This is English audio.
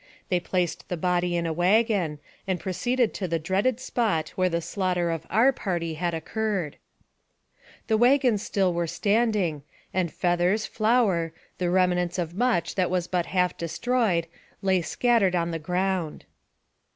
They placed the body in a wagon, and proceeded to the dreaded spot where the slaughter of our party had occurred. The wagons still were standing, and feathers, flour, the remnants of much that was but half destroyed, lay scattered about the ground.